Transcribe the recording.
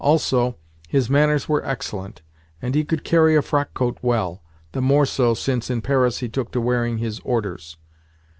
Also, his manners were excellent, and he could carry a frockcoat well—the more so since, in Paris, he took to wearing his orders.